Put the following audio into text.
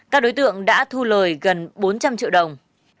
các đối tượng đã thu lời gần bốn trăm linh triệu đồng